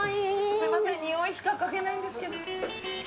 すみません匂いしか嗅げないんですけど。